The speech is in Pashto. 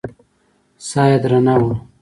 ساه يې درنه وه.